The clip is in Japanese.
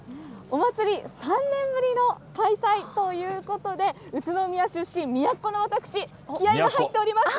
お祭り、３年ぶりの開催ということで、宇都宮出身、宮っ子の私、気合いが入っております。